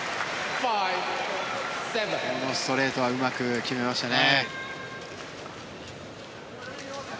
このストレートはうまく決めましたね。